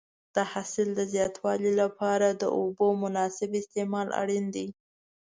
د حاصل د زیاتوالي لپاره د اوبو مناسب استعمال اړین دی.